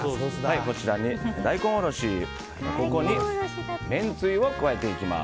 こちらに大根おろしここにめんつゆを加えていきます。